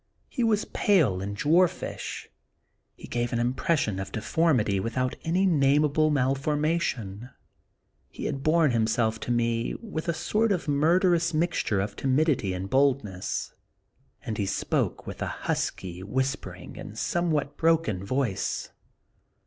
He was pale and dwarfish ; Dr. yekyll and Mr. Hyde. 1 1 he gave an impression of deformity without any namable malformation; he had borne himself to me with a sort of murderous mixture of timidity and boldness, and he spoke with a husky, whispering, and some what broken voice.